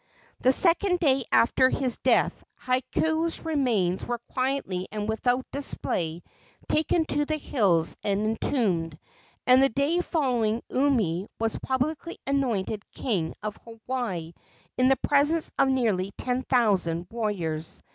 The second day after his death Hakau's remains were quietly and without display taken to the hills and entombed, and the day following Umi was publicly anointed king of Hawaii in the presence of nearly ten thousand warriors.